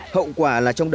hậu quả là trong đời